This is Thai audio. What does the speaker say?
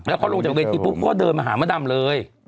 แล้วเขาลงจากเวทีปุ๊บก็เดินมาหามดดำเลย